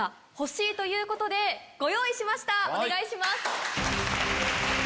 お願いします。